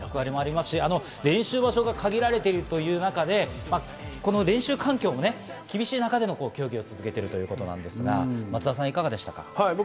練習場所が限られているという中で、練習環境も厳しい中で競技を続けているということなんですが、松田さん、いかがですか？